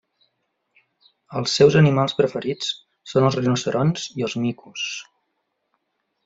Els seus animals preferits són els rinoceronts i els micos.